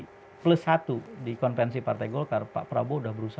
maka lima kali plus satu di konvensi partai golkar pak prabowo sudah berusaha